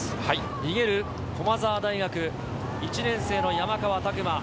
逃げる駒澤大学、１年生の山川拓馬。